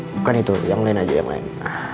bukan itu yang lain aja yang lain